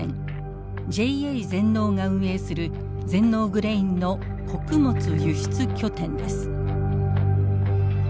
ＪＡ全農が運営する全農グレインの穀物輸出拠点です。